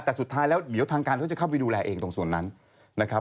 แต่สุดท้ายแล้วเดี๋ยวทางการเขาจะเข้าไปดูแลเองตรงส่วนนั้นนะครับ